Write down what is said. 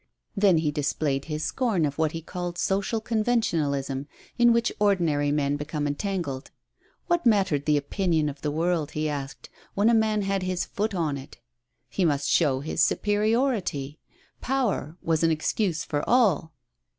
Then he displayed his scorn of what he called social conventionalism, in which ordinary men became en tangled. What mattered the opinion of the world, he asked, when a man had his foot on it I He must show his superiority. Power was an excuse for all.